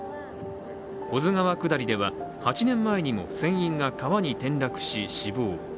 保津川下りでは、８年前にも船員が川に転落し、死亡。